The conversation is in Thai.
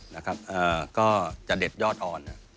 นะครับก็จะเด็ดยอดอ่อน